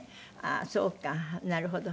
そうかなるほど。